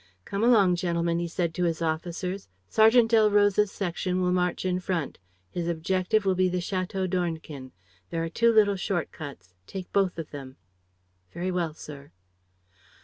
"Come along, gentlemen," he said to his officers. "Sergeant Delroze's section will march in front. His objective will be the Château d'Ornequin. There are two little short cuts. Take both of them." "Very well, sir."